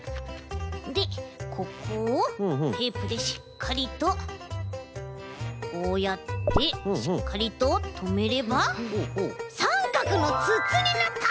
でここをテープでしっかりとこうやってしっかりととめればさんかくのつつになった！